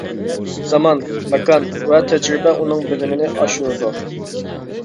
زامان، ماكان ۋە تەجرىبە ئۇنىڭ بىلىمىنى ئاشۇرىدۇ.